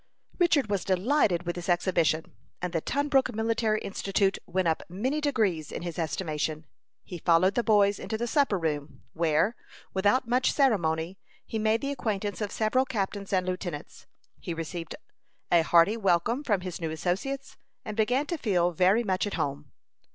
Richard was delighted with this exhibition, and the Tunbrook Military Institute went up many degrees in his estimation. He followed the boys into the supper room, where, without much ceremony, he made the acquaintance of several captains and lieutenants. He received a hearty welcome from his new associates, and began to feel very much at home.